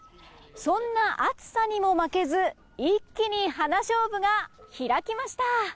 そんな暑さに負けず、一気にハナショウブが開きました。